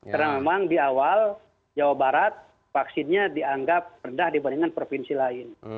karena memang di awal jawa barat vaksinnya dianggap rendah dibandingkan provinsi lain